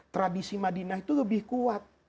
tradisi madinah itu lebih kuat